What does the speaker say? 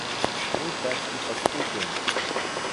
Мы так и поступим.